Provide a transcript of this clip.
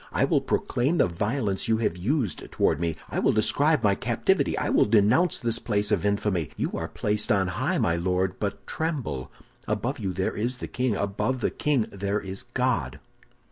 I will proclaim the violence you have used toward me. I will describe my captivity. I will denounce this place of infamy. You are placed on high, my Lord, but tremble! Above you there is the king; above the king there is God!